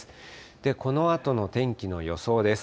で、このあとの天気の予想です。